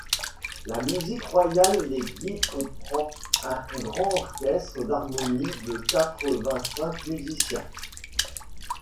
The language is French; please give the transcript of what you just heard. La Musique royale des guides comprend un grand orchestre d'harmonie de quatre-vingt-cinq musiciens.